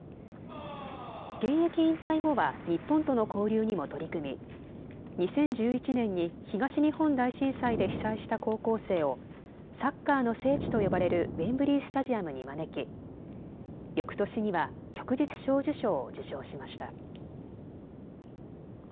現役引退後は日本との交流にも取り組み２０１１年に東日本大震災で被災した高校生をサッカーの聖地と呼ばれるウェンブリースタジアムに招きよくとしには旭日小綬章を受章しました。